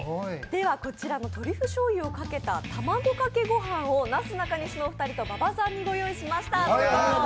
こちらのトリュフしょうゆをかけた卵かけ御飯をなすなかにしのお二人と馬場さんにご用意しました。